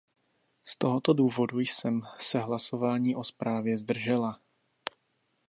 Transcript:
Z tohoto důvodu jsem se hlasování o zprávě zdržela.